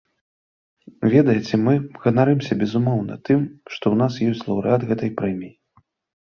Ведаеце, мы ганарымся, безумоўна, тым, што ў нас ёсць лаўрэат гэтай прэміі.